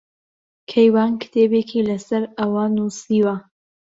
کەیوان کتێبێکی لەسەر ئەوە نووسیوە.